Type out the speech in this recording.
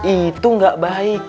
itu gak baik